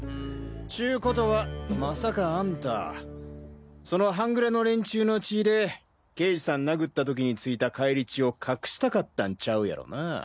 ちゅうことはまさかアンタその半グレの連中の血ぃで刑事さん殴った時に付いた返り血を隠したかったんちゃうやろな？